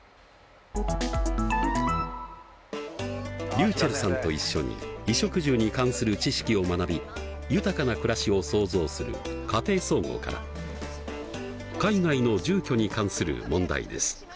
りゅうちぇるさんと一緒に衣食住に関する知識を学び豊かな暮らしを創造する「家庭総合」から海外の住居に関する問題です。